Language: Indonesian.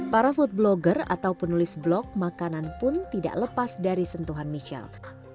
para food blogger atau penulis blok makanan pun tidak lepas dari sentuhan michelle